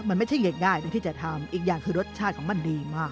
มันไม่ใช่ง่ายตรงที่จะทำอีกอย่างคือรสชาติของมันดีมาก